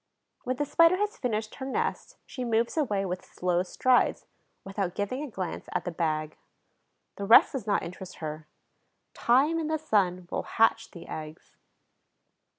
When the Spider has finished her nest, she moves away with slow strides, without giving a glance at the bag. The rest does not interest her: time and the sun will hatch the eggs.